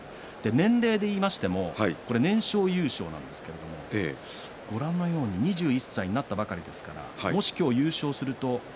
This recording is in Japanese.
年齢でいいましても年少優勝なんですけど２１歳になったばかりですからもし今日、優勝をすると